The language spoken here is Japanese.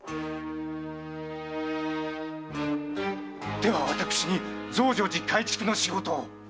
では私に増上寺改築の仕事を？